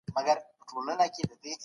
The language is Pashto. هيڅکله د بل چا حق په ناحقه مه غواړه.